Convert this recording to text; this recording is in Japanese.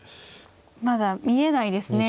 まだ見えないですね